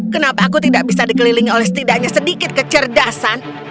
kenapa aku tidak bisa dikelilingi oleh setidaknya sedikit kecerdasan